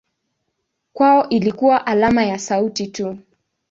Kwao ilikuwa alama ya sauti tu.